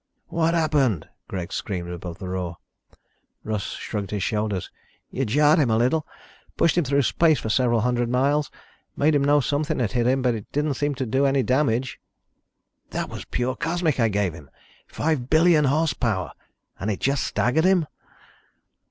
"What happened?" Greg screamed above the roar. Russ shrugged his shoulders. "You jarred him a little. Pushed him through space for several hundred miles. Made him know something had hit him, but it didn't seem to do any damage." "That was pure cosmic I gave him! Five billion horsepower and it just staggered him!"